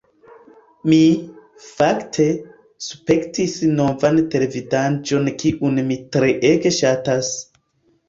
Mi, fakte, spektis novan televidaranĝon kiun mi treege ŝatas